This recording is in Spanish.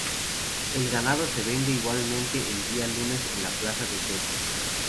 El ganado se vende igualmente el día lunes en la plaza de ferias.